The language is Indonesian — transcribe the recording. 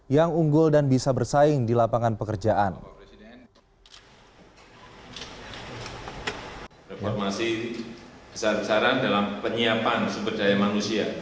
yang unggul dan bisa bersaing di lapangan pekerjaan